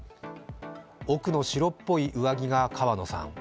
奥の白っぽい上着が川野さん。